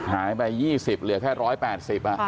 หายไป๒๐เหลือแค่๑๘๐บาท